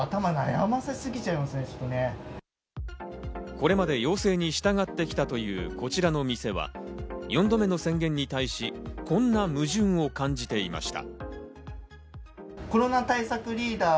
これまで要請に従ってきたというこちらの店は、４度目の宣言に対しこんな矛盾を感じていました。